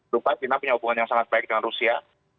lupa china punya hubungan yang sangat baik dengan rusia